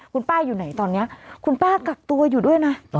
คุณป้าอยู่ไหนตอนนี้คุณป้ากักตัวอยู่ด้วยนะ